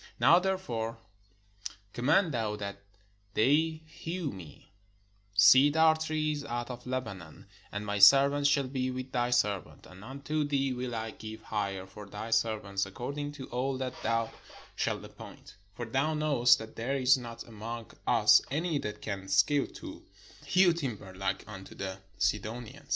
Now therefore command thou that they hew me cedar trees out of Lebanon; and my servants shall be with thy servants: and unto thee will I give hire for thy servants according to all that thou shalt appoint: for thou knowest that there is not among us any that can skill to hew timber Uke unto the Sidonians."